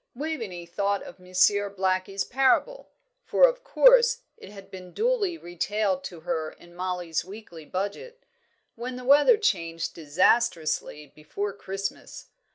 Waveney thought of Monsieur Blackie's parable for of course it had been duly retailed to her in Mollie's weekly budget when the weather changed disastrously before Christmas.